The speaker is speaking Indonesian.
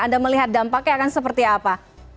anda melihat dampaknya akan seperti apa